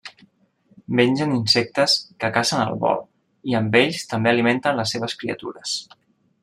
Mengen insectes que cacen al vol, i amb ells també alimenten les seves criatures.